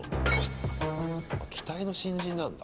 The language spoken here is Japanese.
期待の新人なんだ。